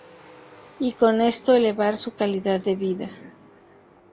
Y con esto elevar su calidad de vida.